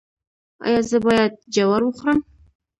ایا زه باید جوار وخورم؟